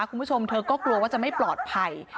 คุณผู้ชมเธอก็กลัวว่าจะไม่ปลอดภัย